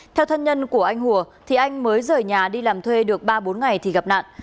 theo thân nhân của anh hùa thì anh mới rời nhà đi làm thuê được ba bốn ngày thì gặp nạn